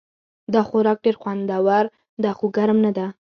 دا خوراک ډېر خوندور ده خو ګرم نه ده